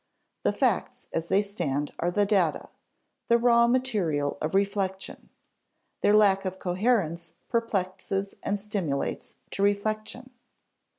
The facts as they stand are the data, the raw material of reflection; their lack of coherence perplexes and stimulates to reflection.